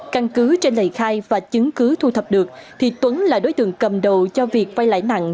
căn cứ trên lầy khai và chứng cứ thu thập được thì tuấn là đối tượng cầm đầu cho việc vay lãi nặng